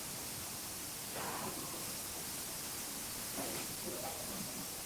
li hilo halikuwepo lakini natumai kwamba wale wa wasimamizi watazidi kuangalia swala hilo